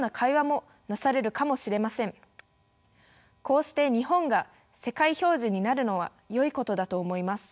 こうして日本が世界標準になるのはよいことだと思います。